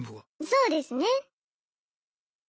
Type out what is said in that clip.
そうですね。